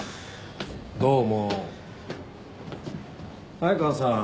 早川さん